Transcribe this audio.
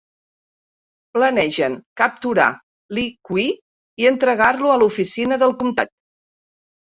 Planegen capturar Li Kui i entregar-lo a l'oficina del comtat.